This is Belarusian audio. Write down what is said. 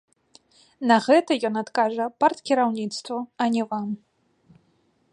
На гэта ён адкажа парткіраўніцтву, а не вам!